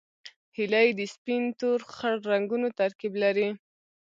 هیلۍ د سپین، تور، خړ رنګونو ترکیب لري